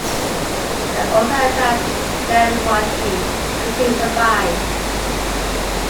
They also attacked Stand Watie, but he survived.